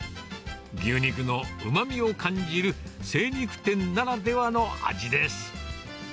牛肉のうまみを感じる、精肉店ならではの味です。